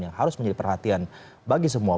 yang harus menjadi perhatian bagi semua